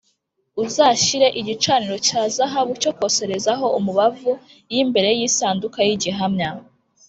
Uzashyire igicaniro cya zahabu cyo koserezaho umubavu y imbere y isanduku y igihamya